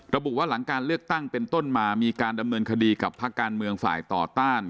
ระบุว่าหลังการเลือกตั้งเป็นต้นมามีการดำเนินคดีกับภาคการเมืองฝ่ายต่อต้าน